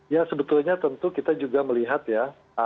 ya sebetulnya tentu kita juga melihat ya